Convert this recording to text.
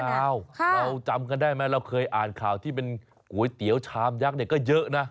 เราจำกันได้ไหมเราเคยอ่านข่าวที่เป็นก๋วยเตี๋ยวชามยักษ์เนี่ยก็เยอะนะ